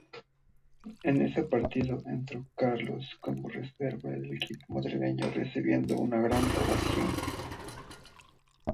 En este partido entró Carlos como reserva del equipo madrileño, recibiendo una gran ovación.